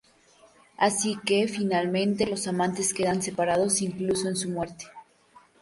Así que finalmente los amantes quedan separados incluso en su muerte.